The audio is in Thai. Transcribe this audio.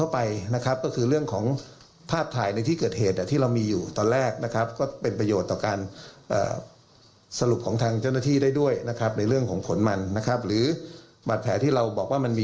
ในเรื่องของผลมันนะครับหรือบัตรแผลที่เราบอกว่ามันมี